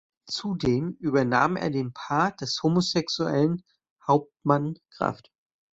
Zudem übernahm er den Part des homosexuellen "Hauptmann Kraft".